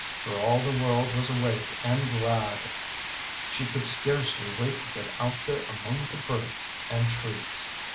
For all the world was awake and glad! She could scarcely wait to get out there among the birds and trees.